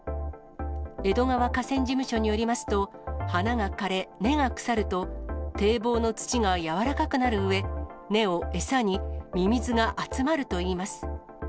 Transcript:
江戸川河川事務所によりますと、花が枯れ、根が腐ると堤防の土が軟らかくなるうえ、根を餌にミミズが集まるといいます。